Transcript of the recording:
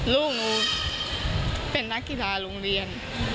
ลูกหนูเป็นนักกีฬาโรงเรียน